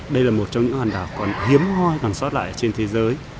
đây là một trong những hòn đảo còn hiếm hoi còn sót lại trên thế giới